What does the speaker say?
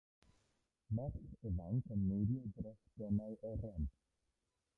Merch ifanc yn neidio dros gonau oren.